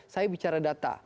saya bicara data